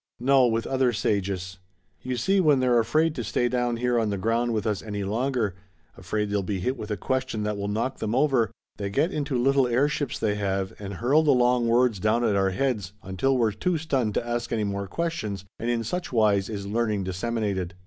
"No, with other sages. You see when they're afraid to stay down here on the ground with us any longer, afraid they'll be hit with a question that will knock them over, they get into little air ships they have and hurl the long words down at our heads until we're too stunned to ask any more questions, and in such wise is learning disseminated."